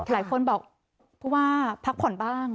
หลายคนบอกผู้ว่าพักผ่อนบ้าง